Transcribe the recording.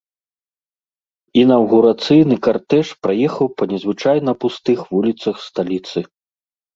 Інаўгурацыйны картэж праехаў па незвычайна пустых вуліцах сталіцы.